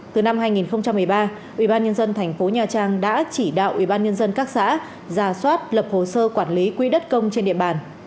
từ năm hai nghìn một mươi ba ủy ban nhân dân thành phố nha trang đã chỉ đạo ủy ban nhân dân cấp xã ra soát lập hồ sơ quản lý quỹ đất công trên địa bàn